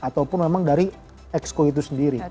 ataupun memang dari exco itu sendiri